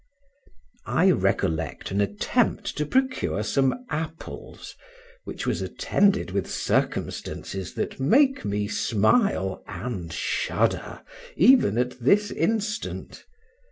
I recollect an attempt to procure some apples, which was attended with circumstances that make me smile and shudder even at this instant.